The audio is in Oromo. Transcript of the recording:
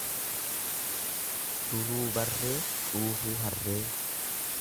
Duruu barree dhuufuu harree.